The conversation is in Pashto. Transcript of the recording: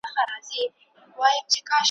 د صابرانو سره خدای ج ملګری وي `